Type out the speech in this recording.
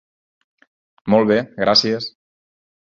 Molt bé, gràcies.